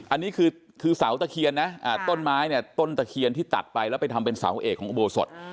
อันนี้คือเสาตะเคียนนะต้นไม้เนี่ยต้นตะเคียนที่ตัดไปแล้วไปทำเป็นเสาเอกของอุโบสถ